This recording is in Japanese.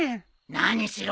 何しろ